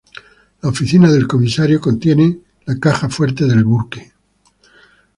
La oficina del comisario contiene la caja fuerte del buque.